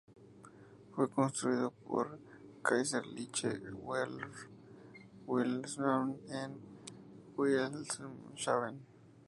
Fue construido por la Kaiserliche Werft Wilhelmshaven en Wilhelmshaven.